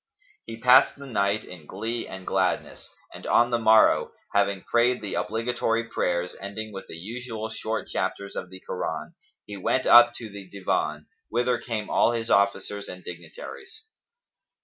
He passed the night in glee and gladness, and on the morrow, having prayed the obligatory prayers ending with the usual short chapters[FN#277] of the Koran, he went up to the Divan, whither came all his officers and dignitaries.